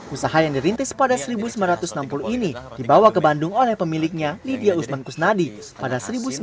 usaha yang dirintis pada seribu sembilan ratus enam puluh ini dibawa ke bandung oleh pemiliknya nidya usman kusnadi pada seribu sembilan ratus sembilan puluh